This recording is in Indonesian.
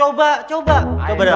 oh ignore diapakan aku